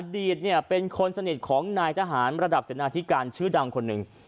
ตเป็นคนสนิทของนายทหารระดับเสนาธิการชื่อดังคนหนึ่ง